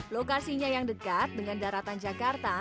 lokasinya yang dekat dengan daratan jakarta